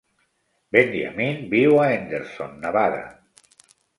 Benyamine viu a Henderson, Nevada.